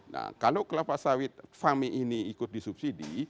nah kalau kelapa sawit fami ini ikut di subsidi